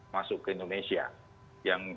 masuk ke indonesia yang